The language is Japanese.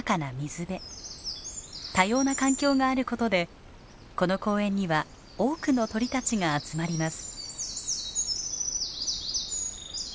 多様な環境があることでこの公園には多くの鳥たちが集まります。